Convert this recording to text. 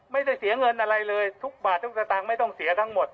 ไม่ได้เสียเงินอะไรเลยทุกบาททุกสตางค์ไม่ต้องเสียทั้งหมด